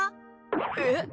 えっ？